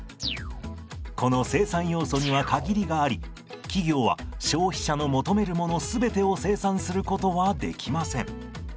この生産要素には限りがあり企業は消費者の求めるもの全てを生産することはできません。